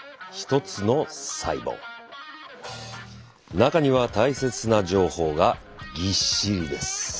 中には大切な情報がぎっしりです。